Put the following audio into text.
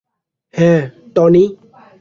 হ্যাঁ, টনি।